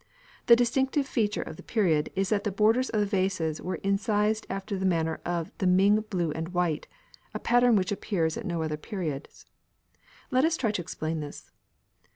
The distinctive feature of the period is that the borders of the vases were incised after the manner of the Ming blue and white, a pattern which appears at no other periods. Let us try to explain this.